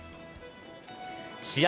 試合